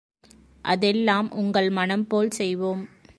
அதெல்லாம் உங்கள் மனம்போல் செய்வோம்.